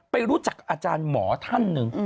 ไปรู้จักอาจารย์หมอท่านหนึ่ง